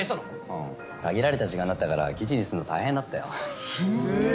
うん。限られた時間だったから記事にすんの大変だったよ。